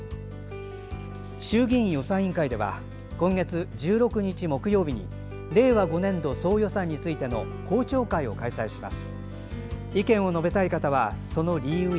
衆議院予算委員会では今月１６日、木曜日に令和５年度総予算についての公聴会を開催します。